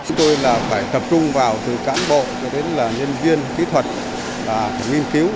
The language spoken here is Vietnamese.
chúng tôi là phải tập trung vào từ cán bộ cho đến là nhân viên kỹ thuật là nghiên cứu